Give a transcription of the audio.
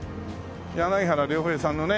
柳原良平さんのね